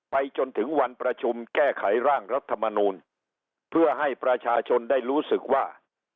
จนถึงวันประชุมแก้ไขร่างรัฐมนูลเพื่อให้ประชาชนได้รู้สึกว่า